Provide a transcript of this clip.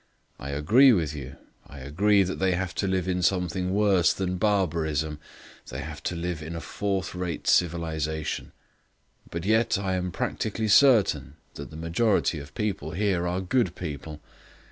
I agree with you. I agree that they have to live in something worse than barbarism. They have to live in a fourth rate civilization. But yet I am practically certain that the majority of people here are good people.